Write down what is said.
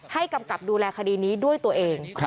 กำกับดูแลคดีนี้ด้วยตัวเอง